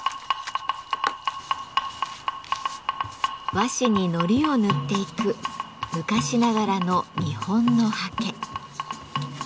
和紙に糊を塗っていく昔ながらの日本の刷毛。